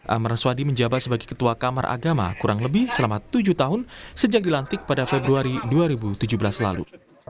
amran swadi menjabat sebagai ketua kamar agama kurang lebih selama tujuh tahun sejak dilantik pada februari dua ribu tujuh belas lalu